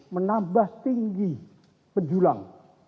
menambah tinggi penjulang